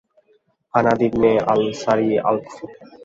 হানাদ ibn al Sari al-Kufi